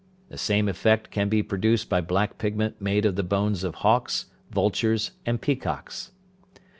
The same effect can be produced by black pigment made of the bones of hawks, vultures, and peacocks.